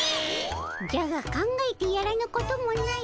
じゃが考えてやらぬこともない。